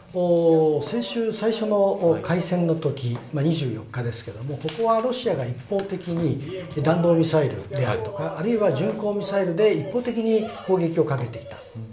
先週、最初の開戦のとき２４日ですけれどもここはロシアが一方的に弾道ミサイルであるとかあるいは巡航ミサイルで一方的に攻撃をかけていた。